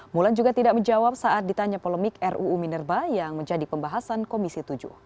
mulan juga tidak menjawab saat ditanya polemik ruu minerba yang menjadi pembahasan komisi tujuh